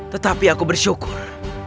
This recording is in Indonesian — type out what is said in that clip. tetapi aku bersyukur